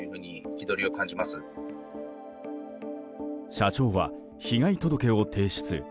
社長は被害届を提出。